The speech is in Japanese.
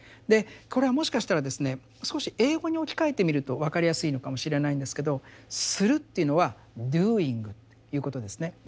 でこれはもしかしたらですね少し英語に置き換えてみると分かりやすいのかもしれないんですけど「する」というのは「ｄｏｉｎｇ」ということですね。